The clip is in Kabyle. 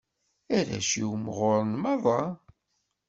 Arrac-iw mɣuren merra.